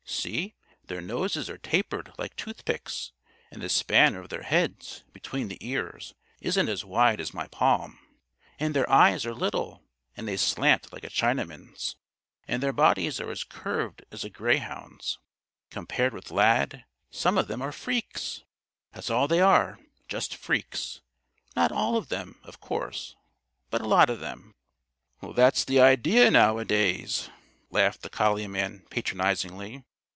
See their noses are tapered like tooth picks, and the span of their heads, between the ears, isn't as wide as my palm; and their eyes are little and they slant like a Chinaman's; and their bodies are as curved as a grayhound's. Compared with Lad, some of them are freaks. That's all they are, just freaks not all of them, of course, but a lot of them." "That's the idea nowadays," laughed the collie man patronizingly.